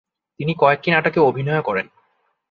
তিনি কয়েকটি নাটকে অভিনয়ও করেন।